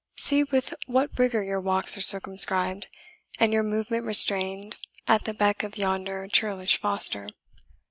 See with what rigour your walks are circumscribed, and your movement restrained at the beck of yonder churlish Foster.